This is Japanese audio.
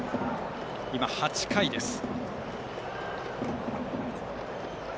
今、８回です。